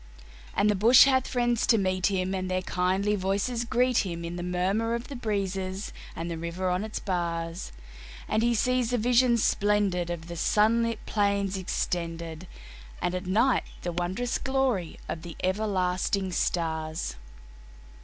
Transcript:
And the bush has friends to meet him, and their kindly voices greet him In the murmur of the breezes and the river on its bars, And he sees the vision splendid of the sunlit plain extended, And at night the wondrous glory of the everlasting stars.